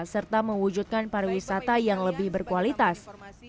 serta mewujudkan pariwisata yang lebih berkualitas